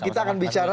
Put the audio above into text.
kita akan berbicara